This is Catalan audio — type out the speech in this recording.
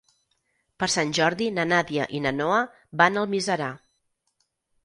Per Sant Jordi na Nàdia i na Noa van a Almiserà.